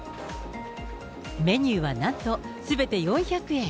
メニューはなんと、すべて４００円。